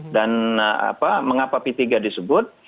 dan mengapa p tiga disebut